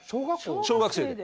小学生で。